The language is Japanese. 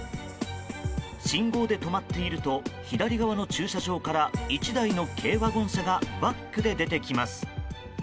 信号で止まっていると左側の駐車場から１台の軽ワゴン車がバックで出てきます。